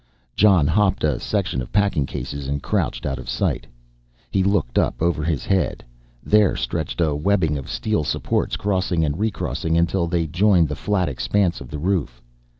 Jon hopped a section of packing cases and crouched out of sight. He looked up over his head, there stretched a webbing of steel supports, crossing and recrossing until they joined the flat expanse of the roof.